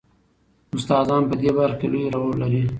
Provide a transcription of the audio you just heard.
استادان په دې برخه کې لوی رول لري.